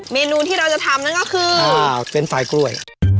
เมนูที่เราจะทำนั่นก็คือเฟรนด์ไฟล์กล้วย